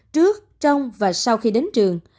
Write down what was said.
trước trong và sau khi đến trường